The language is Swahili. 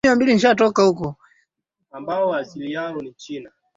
Grace ni mwanafunzi hodari